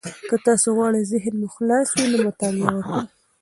که تاسي غواړئ ذهن مو خلاص وي، نو مطالعه وکړئ.